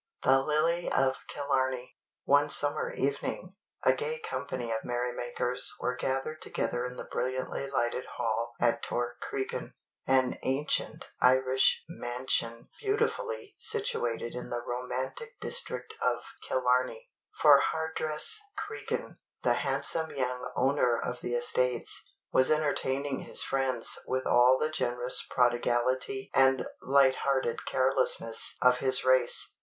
THE LILY OF KILLARNEY One summer evening, a gay company of merry makers were gathered together in the brilliantly lighted hall at Torc Cregan, an ancient Irish mansion beautifully situated in the romantic district of Killarney; for Hardress Cregan, the handsome young owner of the estates, was entertaining his friends with all the generous prodigality and light hearted carelessness of his race.